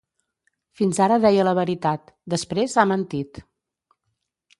Fins ara deia la veritat; després, ha mentit.